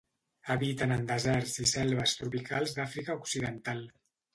Habiten en deserts i selves tropicals d'Àfrica Occidental.